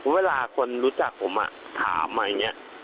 เวลาคนรู้จักผมถามอะไรอย่างนี้